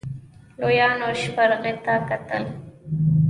لويانو سپرغې ته کتل.